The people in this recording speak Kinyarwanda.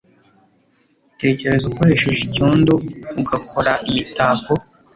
Tekereza ukoresheje icyondo ugakora imitako